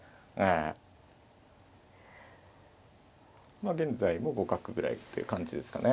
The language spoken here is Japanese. まあ現在も互角ぐらいという感じですかね。